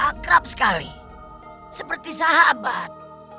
akrab sekali seperti sahabat